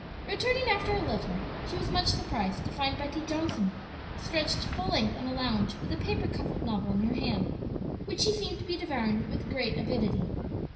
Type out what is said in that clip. Returning after a little, she was much surprised to find Betty Johnson stretched full length on a lounge with a paper covered novel in her hand, which she seemed to be devouring with great avidity.